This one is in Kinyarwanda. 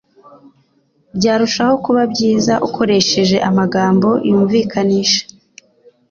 byarushaho kuba byiza ukoresheje amagambo yumvikanisha